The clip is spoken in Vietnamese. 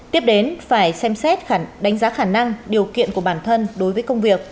tiếp đến phải xem xét đánh giá khả năng điều kiện của bản thân đối với công việc